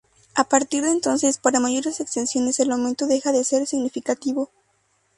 A partir de entonces, para mayores extensiones el aumento deja de ser significativo.